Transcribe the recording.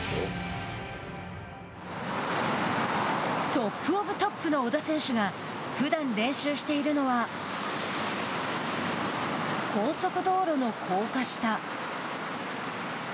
トップ・オブ・トップの織田選手がふだん練習しているのは高速道路の高架下。